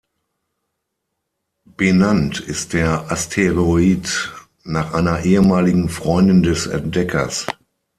Benannt ist der Asteroid nach einer ehemaligen Freundin des Entdeckers.